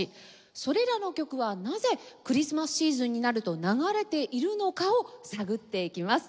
それらの曲はなぜクリスマスシーズンになると流れているのかを探っていきます。